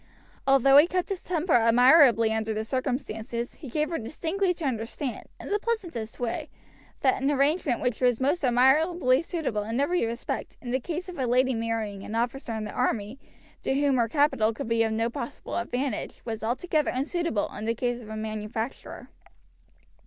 Although he kept his temper admirably under the circumstances, he gave her distinctly to understand, in the pleasantest way, that an arrangement which was most admirably suitable in every respect in the case of a lady marrying an officer in the army, to whom her capital could be of no possible advantage, was altogether unsuitable in the case of a manufacturer.